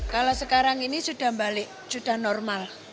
kalau sekarang ini sudah balik sudah normal